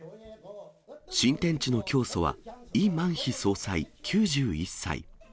新天地の教祖はイ・マンヒ総裁９１歳。